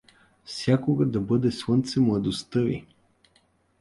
Всякога да бъде слънце младостта ви!